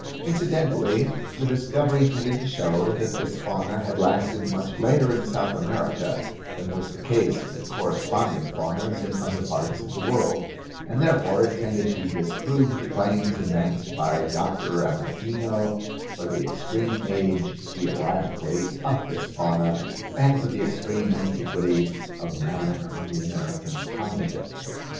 Incidentally the discovery tended to show that this fauna had lasted much later in South America than was the case with the corresponding faunas in other parts of the world; and therefore it tended to disprove the claims advanced by Doctor Ameghino for the extreme age, geologically, of this fauna, and for the extreme antiquity of man on the American continent.